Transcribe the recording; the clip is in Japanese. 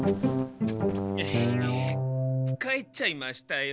帰っちゃいましたよ。